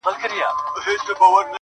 نه دي نوم وي د لیلا نه دي لیلا وي,